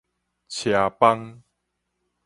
車幫